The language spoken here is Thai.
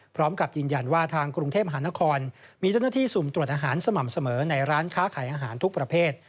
พร้อมกับยืนยันว่าทางกรุงเทพมหานครมีเจ้าหน้าที่สุ่มตรวจอาหารสม่ำเสมอในร้านค้าขายอาหารทุกประเภท